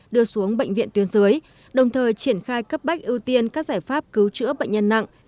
đưa xuống bệnh viện tuyến dưới đồng thời triển khai cấp bách ưu tiên các giải pháp cứu chữa bệnh nhân nặng